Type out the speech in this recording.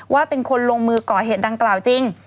ว่าเป็นคนลงมือก่อเหตุดังกล่าวจริง